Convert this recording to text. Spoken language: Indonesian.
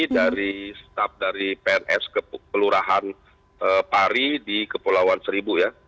dari staff dari pns ke kelurahan pari di kepulauan seribu ya